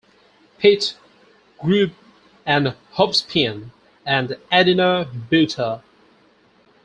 Pit, Grube and Hovsepian and Adina Butar.